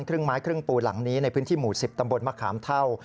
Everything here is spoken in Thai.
ครึ่งไม้ครึ่งปูนหลังนี้ในพื้นที่หมู่๑๐ตำบลมะขามเท่า